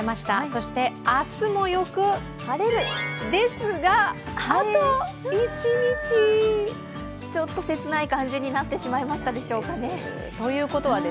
そして明日もよく晴れる、ですがあと１日ちょっと切ない感じになってしまいましたでしたかね。